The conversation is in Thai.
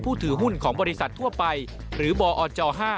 ถือหุ้นของบริษัททั่วไปหรือบอจ๕